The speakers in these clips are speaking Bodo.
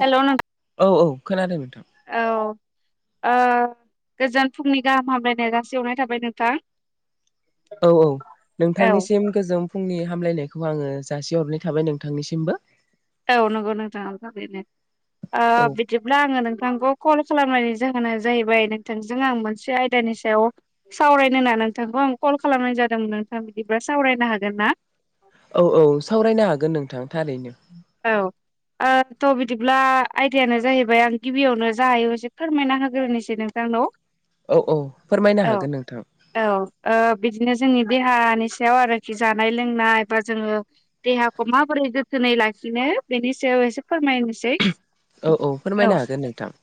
हेल' नों औ औ खोनादों नोंथां। औ ओ गोजोन फुंनि गाहाम हामलायनाय जासि हरनाय थाबाय नोंथां। औ औ औ नोंथांनिसिम गोजोन फुंनि हामलायनायखौ आङो जासिहरनाय थाबाय नोंथांनिसिमबो। औ नंगौ नोंथां थारैनो ओ औ बिदिब्ला आङो नों नोंथांखौ कल खालामनायनि जाहोना जाहैबाय नोंथांजों आं मोनसे आयदानि सायाव सावरायनो होनना नोंथांखौ आं कल खालामनाय जादोंमोन नोंथाङा बिदिब्ला सावरायनो हागोन ना? औ औ सावरायनो हागोन नोंथां। थारैनो औ। ओ थ' बिदिब्ला आयदायानो जाहैबाय आं गिबियावनो जा हायो एसे फोरमायना होग्रोनोसै नों नोंथांनाव। औ औ फोरमायनो औ हागोन नोंथां औ ओ बिदिनो जोंनि देहानि सायाव आरोखि जानाय लोंनाय बा जोङो देहाखौ माबोरै दिनै लाखिनो बेनि सायाव एसे फोरमायनोसै औ औ फोरमायनो हागोन नोंथां।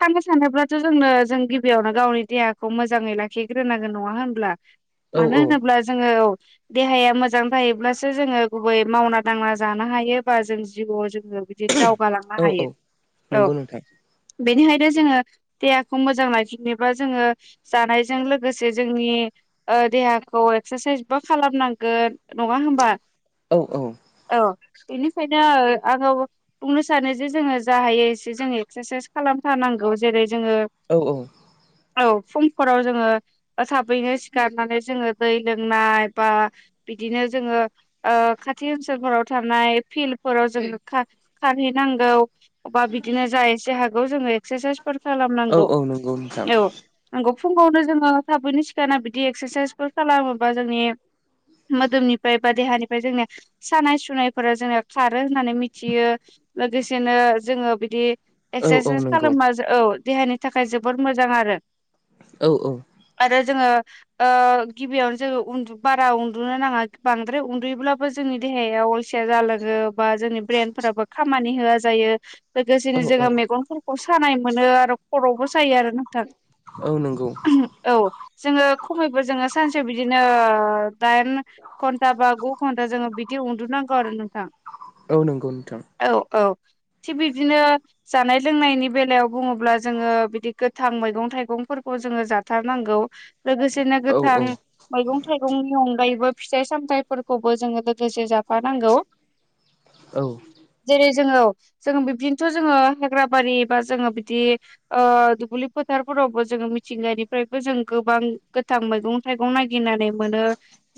थांनो सानोब्लाथ' जोंनो जों गिबियावनो गावनि देहाखौ मोजाङै लाखिग्रोनांगोन नङा होनब्ला? औ मानो औ होनोब्ला जोङो देहाया मोजां थायोब्लासो जोङो गुबै मावना नांला जानो हायोबा जों जिउआव ज जों बिदिनो दावगालांनो औ हायो औ औ। नंगौ नोंथां बेनिखायनो जोङो देहाखौ मोजां लाखिनोबा जोङो जानायजों लोगोसे जोंनि ओ देहाखौ एक्सारसाइसबो खालामनांगोन नङा होमबा? औ औ। औ बेनिखायनो आङो बुंनो सानो जे, जोङो जा हायो एसे जोङो एक्सारसाइस खालामथार नांगौ जेरै जोङो औ औ औ फुंफोराव जोङो थाबैनो सिखारनानै, जोङो दै लोंनाय बा बिदिनो जोङो ओ [unintelligible] खाथि ओनसोलफोराव थानाय फिल्डफोराव जों खार- खारहैनांगौ अबा बिदिनो जा एसे हागौ जोङो एक्सारसाइसफोर औ खालामनांगौ। औ नंगौ नोंथां औ, नंगौ। फुङावनो जोङो थाबैनो सिखारना बिदि एक्सारसाइसफोर खालामोबा जोंनि मोदोमनिफ्राय बा देहानिफ्राय जोंनि सानाय-सुनायफोरा जोङो खारो होननानै मिथियो। लोगोसेनो जोङो बिदि औ औ एक्सारसाइस नंगौ खालामबा, औ देहानि थाखाय जोबोद मोजां आरो। औ-औ। आरो जोङो ओ गिबियावनो जोङो उनदु बारा उन्दुनो नाङा बांद्राय उन्दुयोब्लाबो जोंनि देहाया अलसिया जालाङो बा जोंनि ब्रेन फोराबो खामानि होआ जायो। औ लोगोसेनो जोङो मेगनफोरखौ सानाय मोनो आरो खर'बो सायो आरो नोंथां। औ नंगौ औ जोङो खमैबो जोङो सानसे बिदिनो दाइान घन्टा बा गु घन दा जोङो बिदि उन्दुनांगौ आरो नोंथां औ नंगौ नोंथां। औ औ थिग बिदिनो जानाय- लोंनायनि बेलायाव बुङोब्ला जोङो बिदि गोथां मैगं-थाइगं [unintelligible] जोङो जाथारनांगौ। लोगोसेनो औ गोथां औ मैगं-थाइगंनि अनगायैबो फिथाइ- सामथाइफोरखौ [unintelligible] जोङो लोगोसे जाफानांगौ। औ। जोङो-जोङो बिबदिनोथ' जोङो हाग्रा बारि बा जोङो बिदि ओ दुब्लि फोथारफोर [unintelligible] जोङो मिथिंगानिफ्रायबो जों गोबां गोथां मैगं-थाइगं नागिरनानै मोनो।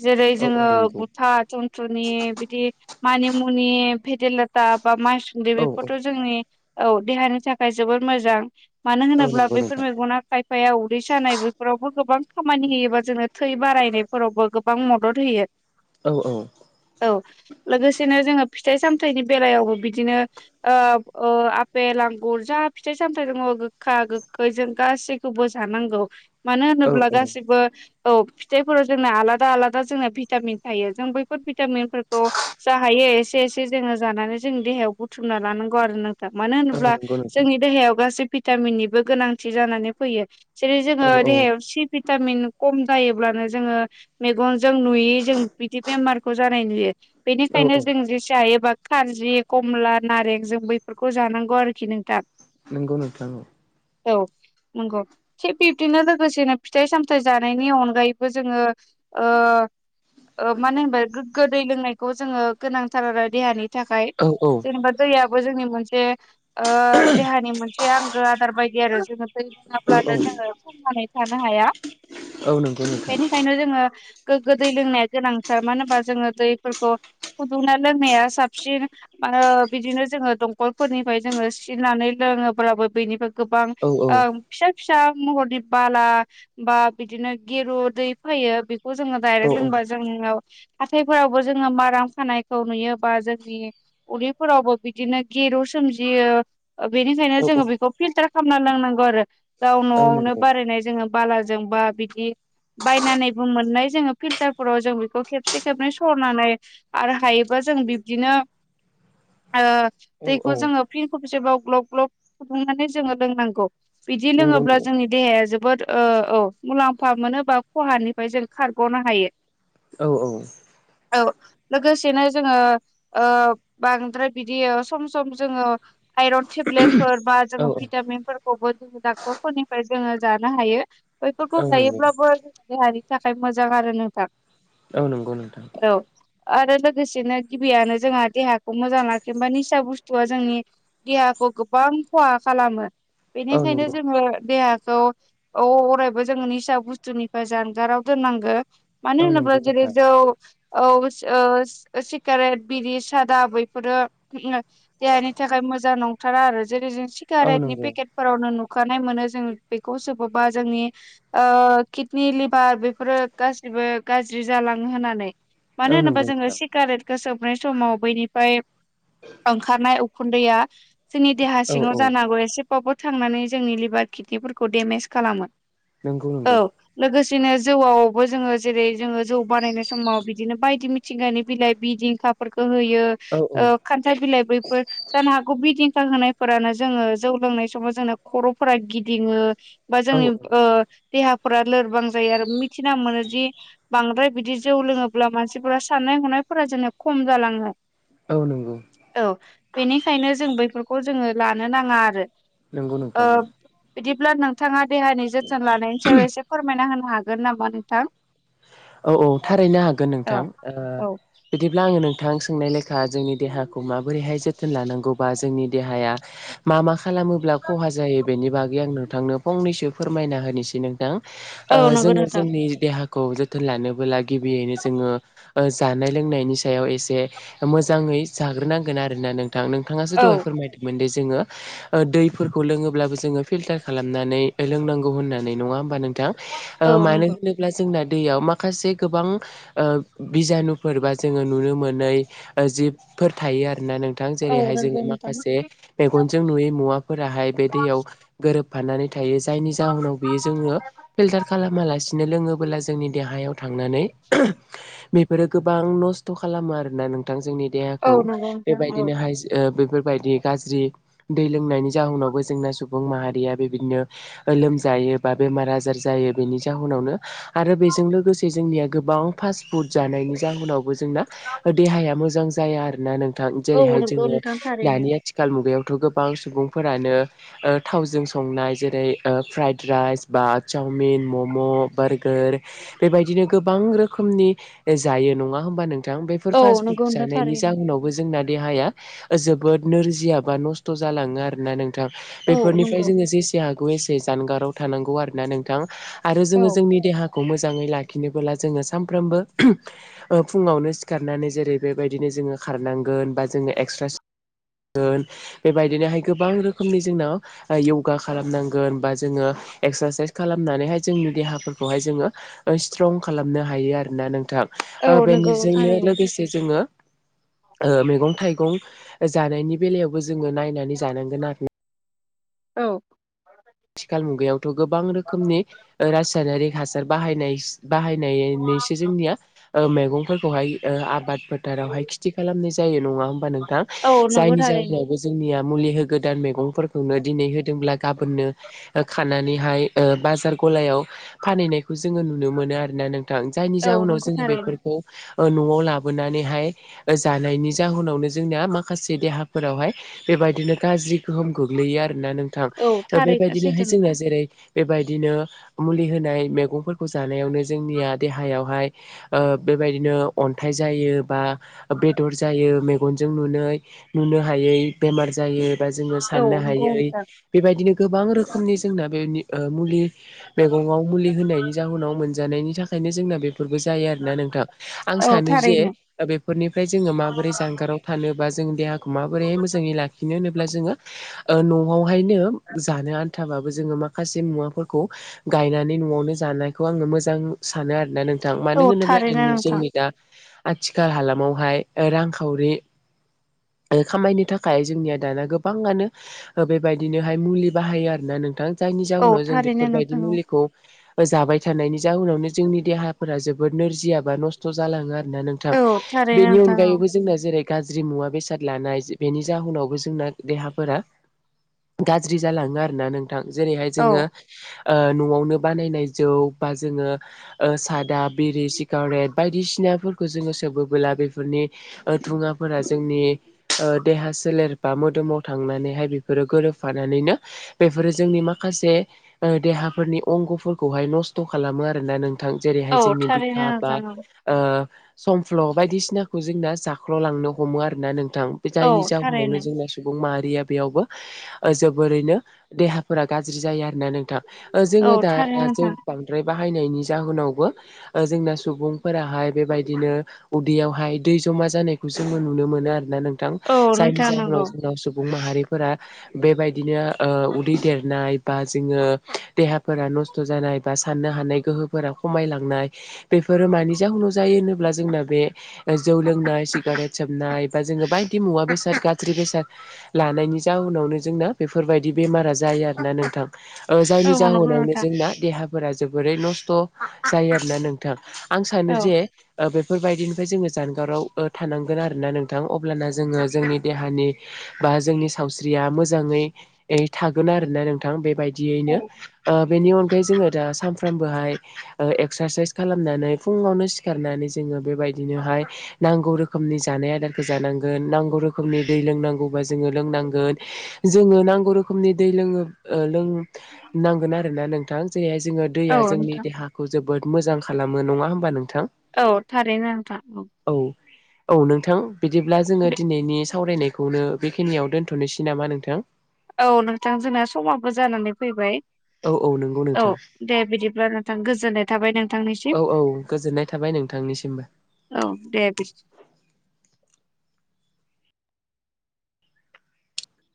जेरै औ औ जोङो नंगौ बुथा, थुन्थ्रनि बिदि मानि मुनि, भेदेरलाथा बा माइ सुन्दि औ औ बेफोरथ' जोंनि, औ देहानि थाखाय जबोर मोजां। मानो औ होनोब्ला नंगौ बैफोर नोंथां मेगना खायफाया उदै सानाय बैफोरावबो गोबां खामानि होयोबा जोङो थै बारायनायफोरावबो गोबां मदद होयो। औ-औ। औ लोगोसेनो जोङो फिथाइ - सामथायनि बेलायावबो बिदिनो ओ-ओ आपेल आंगुर जा फिथाइ - सामथाइ दङ गोखा-गोखै जों गासैखौबो जानांगौ। मानो औ होनोब्ला गासिबो, औ फिथाइफोराव जोंना आलादा- आलादा जोंना भिटामिन थायो जों बैफोर भिटामिनफोरखौ जा हायो एसे-एसे जोङो जानानै जोंनि देहायाव बुथुमना लानां [unintelligible] आरो नोंथां। मानो औ होनोब्ला नंगौ नोंथां जोंनि देहायाव गासै भिटामिननिबो गोनांथि जानानै फैयो। जेरै जोङो औ देहायाव औ सि भिटामिन खम जायोब्लानो जोङो मेगनजों नुयै जों बिदि बेमारखौ जानाय नुयो। औ बेनिखायनो औ जों जेसे हायो बा खारजि, कमला नारें जों बैफोरखौ जानांगौ आरोखि नोंथां। नोंगौ नोंथा। औ। नंगौ। थिग बिब्दिनो लोगोसेनो फिथाइ-सामथाइ जानायनि अनगायैबो जोङो ओ ओ मानो होनबा गोग्गो दै लोंनायखौ जोङो गोनांथार आरो देहानि थाखाय औ जेनेबा दैयाबो जोंनि मोनसे ओ देहानि मोनसे आंगो आदार बायदि आरो जोङो दै औ औ लोङाब्लानो जोङो थांनानै थानो हाया। औ नंगौ नोंथां बेनिखायनो जोङो गोग्गो दै लोंनाया गोनांथार मानो होनबा जोङो दैफोरखौ फुदुंना लोंनाया साबसिन आरो बिदिनो जोङो दंखलफोरनिफ्राय जोङो सिनानै लोङोब्लाबो बेनिफ्राय गोबां औ औ ओ फिसा फिसा महरनि बाला बा बिदिनो गिरु दै फैयो बे जों औ दायरेक लोंबा आव हाथायफोरावबो जोङो माराम खानायखौ नुयोबा जोंनि उदैफोरावबो बिदिनो गेरु समोमजियो ओ बेनिखायनो औ जोङो बेखौ फिल्टार खालामना लोंनांगौ आरो गाव औ न'आवनो नंगौ बारायनाय जोङो बालाजों बा बिदि बायनानैबो मोननाय जोङो फिल्टार फोराव जों बेखौ खेबसे खेबनै सरनानै आरो हायोबा जों बिब्दिनो ओ औ औ दैखौ जोङो फिन खबसेबाव ग्लब-ग्लब फुदुंनानै जोङो लोंनांगौ बिदि नंगौ लोङोब्ला नंगौ जोंनि देहाया जोब बोद ओ औ मुलाम्फा मोनोबा खहानिफ्राय जों खारग'नो हायो औ औ औ लोगोसेनो जोङो ओ बांद्राय बिदि सम सम जोङो आइरन टेब्लेट फोर बा औ जोङो भिटामिनफोरखौबो डाक्टर फोरनिफ्राय जोङो जानो हायो बैफोरखौ औ नंगौ लायोब्लाबो जों देहानि थाखाय मोजां आरो नोंथां औ नंगौ नोंथां औ आरो लोगोसेनो गिबियानो जोंहा देहाखौ मोजां लाखिनबा निसा बुस्थुआ जोंनि देहा गोबां खहा खालामो औ बेनिखायनो नंगौ जोङो देहा थ' औ अरायबो जोङो निसा बुस्थुनिफ्राय जानगाराव दोननांगो मानो औ होनोबा नंगौ जेरै नोंथां जौ औ सोस सिगारेट बिरि सादा बैफोरो देहानि थाखाय मोजां नंथारा आरो जेरै जों औ सिगारेटनि नंगौ पेकेटफोरावनो नुखानाय मोनो जों बेखौ सोबोबा जोंनि ओ किडनि लिभार बेफोरो गासैब जेबो गाज्रि जालाङो होननानै मानो औ होनोबा नंगौ जोङो नोंथां सिगारेटखौ सोब नाय समाव बैनिफ्राय ओंखारनाय उखुन्दैया जोंनि देहा औ सिङाव औ जानांगौ एसेबाबबो थांनानै जोंनि लिभार किडनिफोरखौ डेमेज खालामो नंगौ औ नंगौ लोगोसेनो जौआवबो जोङो जेरै जोङो जौ बानायनाय समाव बिदिनो बायदि मिथिंगानि बिलाइ बिदिंखाफोरखौ होयो औ औ ओ खान्थाल बिलाइ बैफोर जानो हागौ बिदि फिथा होनायफोरानो जोङो जौ लोंनाय समाव जोंनो खर'फोरा गिदिङो बा औ जोंनि ओ देहाफोरा लोरबां जायो आरो मिथिना मोनो जि बांद्राय बिदि जौ लोङोब्ला मानसिफोरा साननाय हनायफोरा जेननो खम जालाङो औ नंगौ औ बेनिखायनो जों बैफोरखौ जोङो लानो नाङा आरो नंगौ ओ नोंथां औ बिदिब्ला नोंथाङा देहानि जोथोन लानायनि सायाव एसे फोरमायना होनो हागोन नामा नोंथां औ औ थारैनो हागोन औ नोंथां ओ औ बिदिब्ला आङो नोंथां सोंनाय लेखा जोंनि देहाखौ माबोरैहाय जोथोन लानांगौबा जोंनि देहाया मा मा खालामोब्ला खहा जायो बेनि बागै आं नोंथांनो फंनैसो फोरमायना होनोसै नोंथां औ ओ नंगौ जोङो नोंथां जोंनि देहा जोथोन लानोबोला गिबियैनो जोङो जानाय लोंनायनि सायाव एसे मोजाङै जा थाग्रोनांगोन आर ना नोंथां नोंथाङासो औ दहाय फोरमायदोंमोन जोङो दैफोरखौ लोङोब्लाबो जोङो फिल्टार खालामनानै लोंनांगौ होननानै नङा होमबा नों थां औ मानो नंगौ होनोब्ला जोंना दैयाव माखासे गोबां ओ बिजानु फोरबा जोङो नुनो मोनै जिबफोर थायो आरोना नों थां औ जेरैहाय नंगौ जोङो नोंथां माखासे मेगनजों नुयै मुवाफोराहाय बे दैयाव गोरोबफानानै थायो जायनि जाहोनाव बियो जोङो फिलटार खालामालासेनो लोङोबला जोंनि देहायाव थांनानै बेफोरो गोबां नस्थ' खालामो आरो ना नोंथां जोंनि औ देहाखौ नंगौ नोंथां औ बेबायदिनोहाय ओ बायदि गाज्रि दै लोंनायनि जाहोनावबो जोंना सुबुं माहारिया बेबायदिनो लोमजायो जायो बा बेमार आजार जायो बेनि जाहोनावनो आरो बेजों लोगोसे जोंनिया गोबां फास्ट फुड जानायनि जाहोनाव बो जोंना देहाया मोजां जाया ना आरो नों थां औ जेरैहाय नंगौ जोङो नोंथां थारैनो दानि आथिखाल मुगायावथ' गोबां सुबुंफोरानो थावजों संनाय जेरै ओ फ्राइद राइस, बा चावमिन, मम', बारग खोर बेबायदिनो गोबां रोखोमनि जायो नङा हमबा नों थां। बेफोर औ पासबुक नंगौ नोंथां जानायनि थारैनो जाहोनावबो जोंना देहाया जोबोद नोरजिया बा नस्थ' जालाङो आरोना नों नोंथां, औ बेफोरनिफ्राय नंगौ जोङो जेसे हागौ एसे जानगाराव थानांगौ आरोना नोंथां। आरो जोङो औ जोंनि खौ मोजाङै लाखिनोबोला जोङो सबो ओ फुङावनो सिखारनानै जेरै बेबायदिनो जो खारनांगोन बा जोङो एक्स्रा बेबायदिनोहाय गोबां रोखोमनि जोंनाव योगा खालामनांगोन बा जोङो एक्सारसाइस खालामनानैहाय जोंनि देहाफोर खौहाय जोङो स्ट्रं खालामनो हायो आरोना औ नोंथां। नंगौ बेनिजोंनो थारैनो लोगोसे जोङो ओ मैगं-थाइगं जानायनि बेलायावबो जोङो नायनानै जानांगोन आर औ। थिखाल मुगायावथ' गोबां रोखोमनि रासायनारिक हासार बाहायनाय बाहायनानैसो जोंनिया मैगंफोरखौहाय आबाद फोथारावहाय खिथि खालामनाय जायो नङा होमबा नोंथां? औ नंगौ जायनि थारैनो जउनावबो जोंनिया मुलि होगोदान मैगंफोरखौनो दिनै होदोंब्ला गाबोननो खानानैहाय बाजार गलायाव फानहैनायखौ जोङो नुनो मोनो आरोना नोंथां। जायनि औ जाहोनाव नंगौ जोङो थारैनो बेफोरखौ न'आव लाबोनानैहाय जानायनि जाहोनावनो जोंनाया माखासे देहाफोरावहाय बे बेबायदिनो गाज्रि गोहोम गोग्लैयो आरो ना नोंथां। औ थारैनो बेबायदिनोहाय सैथो जोंना नोंथां जेरै बेबायदिनो मुलि होनाय मैगंफोरखौ जानायावनो जोंनिया देहायावहाय ओ बेबायदिनो अन्थाइ जायो बा बेदर जायो मेगनजों नुनै नुनो हायै बे-बेमार जायो। जोङो औ साननो नंगौ हायै नोंथां बेबायदिनो गोबां रोखोमनि जोंना बेनि मुलि मेगङाव मुलि होनायनि जाहोनाव मोनजानायनि थाखायनो जोंना बे फोरबो जाया आरोना नोंथां आं औ सानो जे थारैनो बेफोरनिफ्राय जोङो माबोरै जानगाराव थानोबा ज जों देहाखौ माबोरैहाय मोजाङै लाखिनो होनोब्ला जोङो ओ न'आवहायनो जानो आन्थाबाबो जोङो माखासे मुवाफोरखौ गायनानै न'आवनो जानायखौ आङो मोजां सानो आरोना नोंथां। मानो औ होनोब्ला थारैनो नोंनि नोंथां जोंनि दा आथिखाल हालामावहाय रांखावरि खामायनो थाखाय जोंनिया दाना गोबाङानो ओ बेबायदिनो मुलि बाहायो आरोना नोंथां, जायनि औ जाहोनाव जों थारैनो बेफोरबायदि नोंथां औ मुलिखौ जाबाय थानायनि जाउनावनो जोंनि देहाफोरा जोबोद नोरजियाबा नस्थ' जालाङो आ ना नोंथां। औ थारैनो बेनि नोंथां औ अनगायैबो जोंना जेरै गाज्रि मुवा बेसाद लानाय बेनि जाहोनावबो जोंना देहाफोरा गाज्रि जालाङो आरो ना नोंथां जेरैहाय औ जोङो ओ न'आवनो बानायनाय जौ बा जोङो ओ साद दा बिरि सिगारेट बायदिसिनाफोरखौ जोङो सोबोबोला बेफोरनि थुङाफोरा जोंनि ओ देहा सोलेर बा मोदोमाव थांनानैहाय बेफोरो गोरोब फानानैनो बेफोरो जोंनि माखासे ओ देहाफोरनि अंग'फोरखौहाय नसथ थ' खालामो आरोना नोंथां जेरैहाय जोंनि बिखा थारैनो बा नोंथां औ ओ समफ्ल' बायदिसिनाखौ जोंना जाख्ल'लांनो हमो आरोना नों थां जायनि औ जाहोनावनो थारैनो जोंना सुबुं माहारिया बेयावबो जोबोरैनो देहाफोरा गाज्रि जायो आरोना नोंथां। औ जोङो दा थारैनो जों नोंथां बांद्राय बाहायनायनि जाहोनावबो जोंना सुबुंफोराहाय बेबायदिनो उदैयावहाय दै जमा जानायखौ जोङो नुनो मोनो आरोना नोंथां, औ जायनि नोंथां जाहोनाव नंगौ जोंनाव सुबुं माहारिफोरा बेबायदिनो उदै देरनाय बा जोङो देहाफोरा नस्थ' जानाय बा साननो हानाय गोहोगोरा खमायलांनाय बेफोरो मानि जाहनाव जायो होनोब्ला बे जौ लों जोमनाय सिगारेत सोबनाय बा जोङो बायदि मुवा बेसाद गाज्रि बेसाद लानायनि जाउनावनो जोंना बेफोरबायदि बेमारा जायो आरोना नोंथां औ जायनि नंगौ जाहावनो नोंथां जों देहाफोरा जोबोरै नस्थ' जायो आरोना नोंथां आं सानो औ जे ओ बेफोरबायदिनिफ्राय जोङो जानगाराव ओ थानांग गोन आरो ना नोंथां अब्लाना जोङो जोंनि देहानि बा जोंनि सावस्रिया मोज जाङै एरै थागोन आरोना नोंथां बेबायदियैनो ओ बेनि अनगायै ओमफाय जोङो दा सानफ्रामबोहाय एक्सारसाइस खालामनानै फुङावनो सिखारनानै जोङो बेबाय बिदिनोहाय नांगौ रोखोमनि जानाय आदारखो जानांगोन नांगौ रोखोमनि दै लोंनांगौ बा जोङो लों नांगोन। जोङो नांगौ रोखोमनि दै लोङो ओ लोंनांगोन आरोना नोंथां? दैया जोङो औ दैया जोंनि नोंथां देहाखौ जोबोद मोजां खालामो नङा होमबा नों औ थारैनो नोंथां औ औ नोंथां बिदिब्ला जोङो दिनैनि सावरायनायखौनो बेखिनियाव दोनथनोसै नामा नों औ नोंथां जोंना समाबो जानानै फैबाय औ औ नंगौ औ नोंथां दे बिदिब्ला नोंथां गोजोननाय थाबाय औ नोंथांनिसिम। औ गोजोननाय थाबाय नोंथांनिसिमबो औ दे बिस